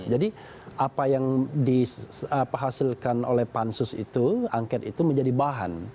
jadi apa yang dihasilkan oleh pansus itu angket itu menjadi bahan